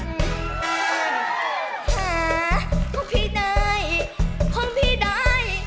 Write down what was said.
หาของพี่ใดของพี่ใด